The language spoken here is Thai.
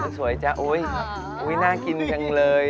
ดายซวยจ้ะโอ๊ยน่ากินจังเลย